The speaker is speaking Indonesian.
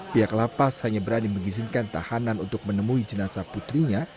pihak lapas hanya berani mengizinkan tahanan untuk menemui jenazah putrinya